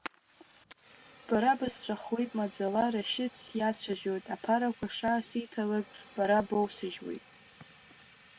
Бара бысҵәахуеит, маӡала Рашьыҭ сиацәажәоит, аԥарақәа шаасиҭалак, бара боусыжьуеит.